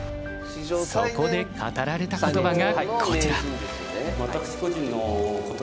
そこで語られた言葉がこちら。